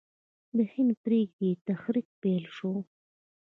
د هند پریږدئ تحریک پیل شو.